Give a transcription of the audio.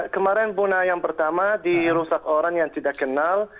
kemarin punah yang pertama dirusak orang yang tidak kenal